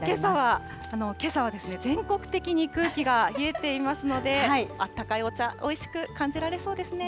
けさは全国的に空気が冷えていますので、あったかいお茶、おいしく感じられそうですね。